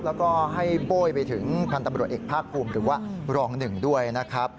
แล้วก็ให้โบ้ยไปถึงพันธุ์ตำรวจเอกภาคภูมิหรือว่ารองหนึ่งด้วยนะครับ